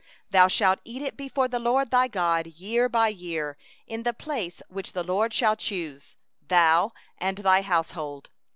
20Thou shalt eat it before the LORD thy God year by year in the place which the LORD shall choose, thou and thy household.